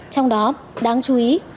trong đó đáng chú ý